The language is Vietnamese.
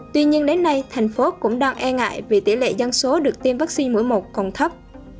tuy nhiên đến nay thành phố cũng đang e ngại vì tỷ lệ dân số được tiêm vaccine mỗi một còn thấp